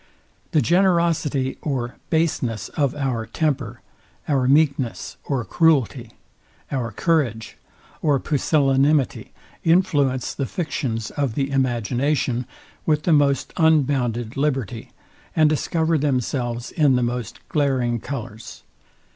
The generosity, or baseness of our temper, our meekness or cruelty, our courage or pusilanimity, influence the fictions of the imagination with the most unbounded liberty, and discover themselves in the most glaring colours.